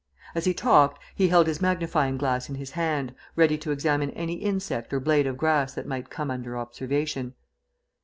As he talked, he held his magnifying glass in his hand, ready to examine any insect or blade of grass that might come under observation.